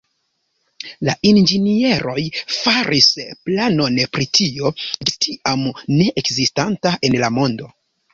La inĝenieroj faris planon pri tio ĝis tiam ne ekzistanta en la mondo.